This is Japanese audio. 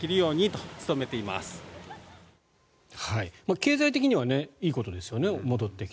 経済的にはいいことですよね、戻ってきて。